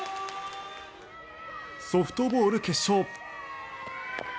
ソフトボール決勝。